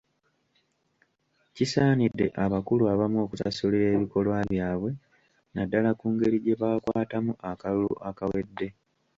Kisaanidde abakulu abamu okusasulira ebikolwa byabwe naddala ku ngeri gye baakwatamu akalulu akawedde.